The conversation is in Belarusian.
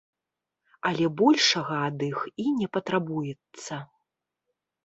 Але большага ад іх і не патрабуецца.